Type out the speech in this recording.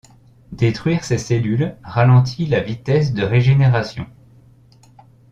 Détruire ces cellules ralentit la vitesse de régénération.